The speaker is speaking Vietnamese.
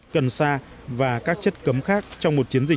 cần sa và các chất cấm khác trong một chiến dịch